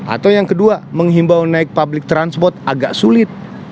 atau yang kedua menghimbau naik public transport agak sulit